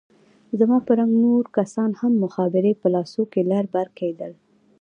زما په رنګ نور کسان هم مخابرې په لاسو کښې لر بر کېدل.